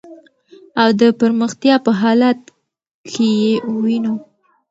او د پرمختیا په حالت کی یې وېنو .